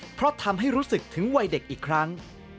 เพราะทำให้รู้สึกถึงวัยเด็กอีกครั้ง